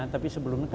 tapi sebelumnya kan